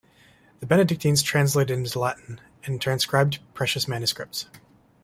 The Benedictines translated into Latin and transcribed precious manuscripts.